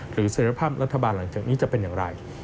เสร็จภาพรัฐบาลหลังจากนี้จะเป็นอย่างไร